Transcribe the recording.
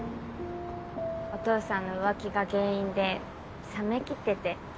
お父さんの浮気が原因で冷めきってて。